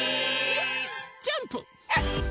ジャンプ。